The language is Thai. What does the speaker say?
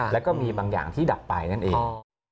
แล้วก็มีบางอย่างที่ดับไปนั่นเอง